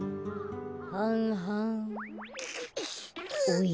おや？